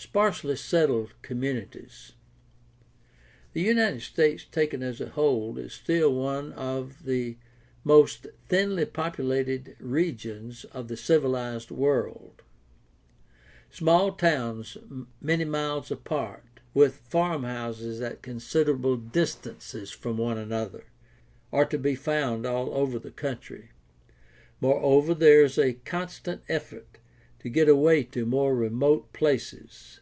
Sparsely settled communities. — The United States taken as a whole is still one of the most thinly populated regions of the civilized world. Small towns many miles apart, with farm houses at considerable distances from one another, are to be found all over the country. Moreover, there is a constant effort to get away to more remote places.